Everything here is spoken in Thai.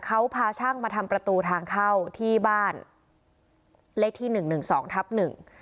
เขาพาช่างมาทำประตูทางเข้าที่บ้านเลขที่หนึ่งหนึ่งสองทับหนึ่ง